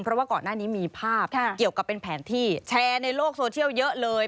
เพราะว่าก่อนหน้านี้มีภาพเกี่ยวกับเป็นแผนที่แชร์ในโลกโซเชียลเยอะเลย